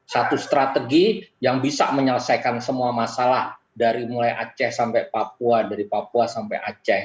satu strategi yang bisa menyelesaikan semua masalah dari mulai aceh sampai papua dari papua sampai aceh